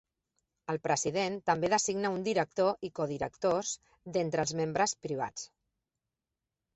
El president també designa un director i co-directors d'entre els membres privats.